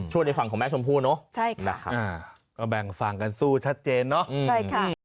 ในฝั่งของแม่ชมพู่เนอะใช่ค่ะนะครับก็แบ่งฝั่งกันสู้ชัดเจนเนอะใช่ค่ะ